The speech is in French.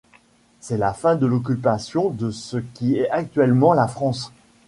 C'est la fin de l'occupation de ce qui est actuellement la France.